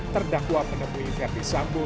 terdakwa menemui ferdis sambu